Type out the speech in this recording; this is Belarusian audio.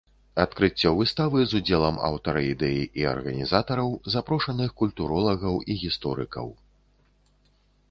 Адкрыццё выставы з удзелам аўтара ідэі і арганізатараў, запрошаных культуролагаў і гісторыкаў.